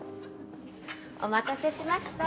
お待たせしました。